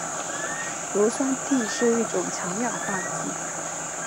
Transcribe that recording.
硫酸锑是一种强氧化剂。